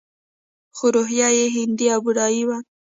خو روحیه یې هندي او بودايي وه